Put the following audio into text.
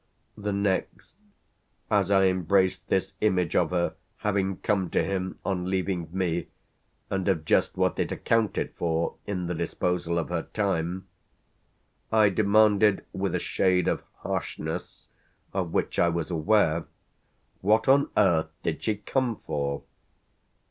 The next, as I embraced this image of her having come to him on leaving me and of just what it accounted for in the disposal of her time, I demanded with a shade of harshness of which I was aware "What on earth did she come for?"